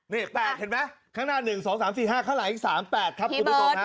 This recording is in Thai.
นี่๘เห็นไหมข้างหน้า๑๒๓๔๕ข้างหลังอีก๓๘ครับคุณผู้ชมฮะ